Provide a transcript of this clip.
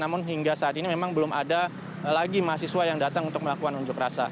namun hingga saat ini memang belum ada lagi mahasiswa yang datang untuk melakukan unjuk rasa